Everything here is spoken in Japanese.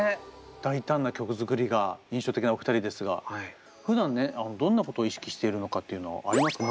大胆な曲作りが印象的なお二人ですがふだんねどんなことを意識しているのかっていうのありますか？